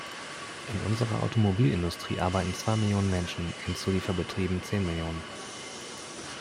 In unserer Automobilindustrie arbeiten zwei Millionen Menschen, in Zuliefererbetrieben zehn Millionen.